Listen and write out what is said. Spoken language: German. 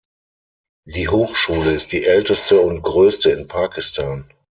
Die Hochschule ist die älteste und größte in Pakistan.